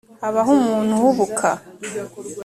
habaho umuntu uhubuka